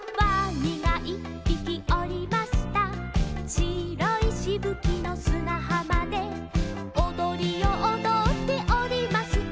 「しろいしぶきのすなはまで」「おどりをおどっておりますと」